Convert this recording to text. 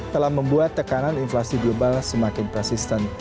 telah membuat tekanan inflasi global semakin persisten